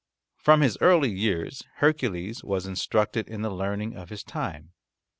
From his early years Hercules was instructed in the learning of his time.